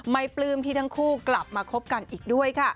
ปลื้มที่ทั้งคู่กลับมาคบกันอีกด้วยค่ะ